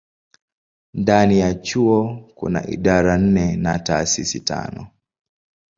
Ndani ya chuo kuna idara nne na taasisi tano.